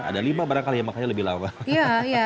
ada lima barang kali ya makanya lebih lama